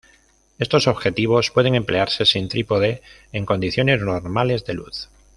Estos objetivos pueden emplearse sin trípode en condiciones normales de luz.